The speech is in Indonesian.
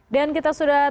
dan kita sudah tonton